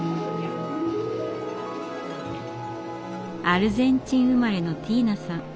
アルゼンチン生まれのティーナさん。